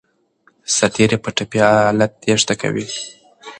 سرتیري په ټپي حالت تېښته کوي.